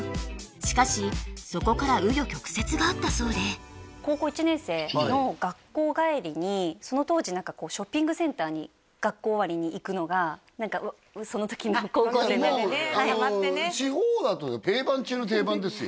しかしそこから紆余曲折があったそうで高校１年生の学校帰りにその当時何かこうショッピングセンターに学校終わりに行くのが何かその時の高校生のもう地方だと定番中の定番ですよ